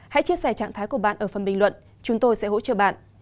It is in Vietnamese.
hãy chia sẻ trạng thái của bạn ở phần bình luận chúng tôi sẽ hỗ trợ bạn